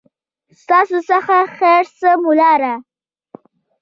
ستاسو څخه خير نسم وړلای